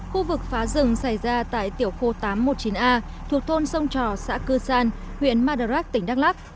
khu vực phá rừng xảy ra tại tiểu khu tám trăm một mươi chín a thuộc thôn sông trò xã cư san huyện madarak tỉnh đắk lắc